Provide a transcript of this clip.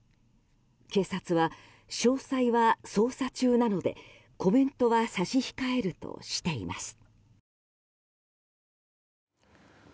警察は詳細は捜査中なのでコメントは差し控えるとしています。